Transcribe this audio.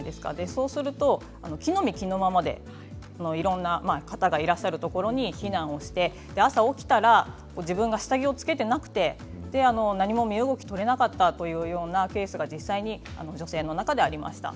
そうすると着の身着のままでいろいろな方がいらっしゃるところに避難して朝起きたら自分が下着をつけていなくて何も身動きが取れなかったというケースが実際に女性の中でありました。